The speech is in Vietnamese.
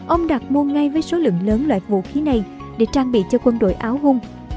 ông đặt mua ngay với số lượng lớn loại vũ khí này để trang bị cho quân đội áo hung